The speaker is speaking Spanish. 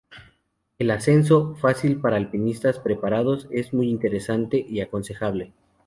El ascenso, fácil para alpinistas preparados, es muy interesante y aconsejable.